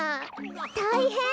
たいへん！